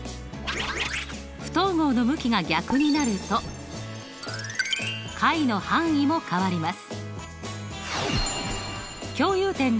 不等号の向きが逆になると解の範囲も変わります。